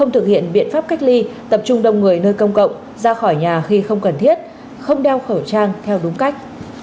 thực hiện biện pháp cách ly tập trung đông người nơi công cộng ra khỏi nhà khi không cần thiết không đeo khẩu trang theo đúng cách